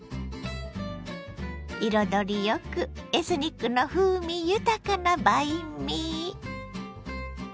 彩りよくエスニックの風味豊かなバインミー。